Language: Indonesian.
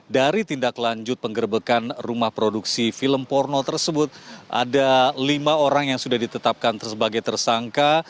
dari tindak lanjut penggerbekan rumah produksi film porno tersebut ada lima orang yang sudah ditetapkan sebagai tersangka